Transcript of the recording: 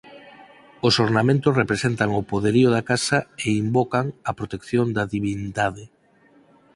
Os ornamentos representan o poderío da casa e invocan a protección da divindade.